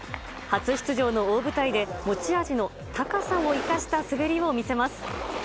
初出場の大舞台で、持ち味の高さを生かした滑りを見せます。